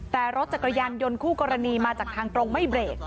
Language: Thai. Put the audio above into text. แต่รถจักรยานยนต์คู่กรณีมาจากทางตรงไม่เบรก